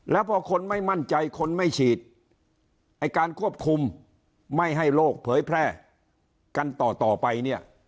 แล้วพอคนไม่มั่นใจคนไม่ฉีดไอ้การควบคุมไม่ให้โลกเผยแพร่กันต่อต่อไปเนี่ย